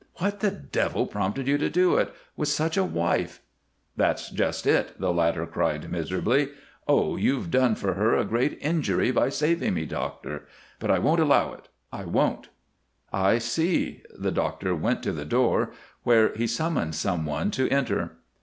"What the devil prompted you to do it with such a wife?" "That's just it," the latter cried, miserably. "Oh, you've done for her a great injury by saving me, Doctor. But I won't allow it. I won't!" "I see!" The doctor went to the door, where he motioned some one to enter.